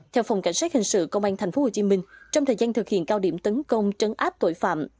theo phòng cảnh sát hình sự công an tp hcm trong thời gian thực hiện cao điểm tấn công trấn áp tội phạm